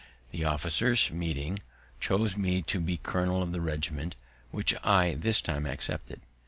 The officers, meeting, chose me to be colonel of the regiment, which I this time accepted.